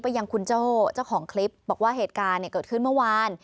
ยังคุณโจ้เจ้าของคลิปบอกว่าเหตุการณ์เกิดขึ้นเมื่อวาน